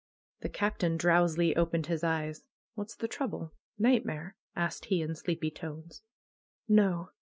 The Captain drowsily opened his eyes. What's the trouble? Nightmare?" asked he in sleepy tones. ''No!